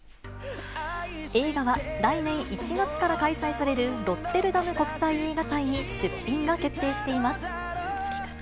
映画は、来年１月から開催されるロッテルダム国際映画祭に出品が決定しています。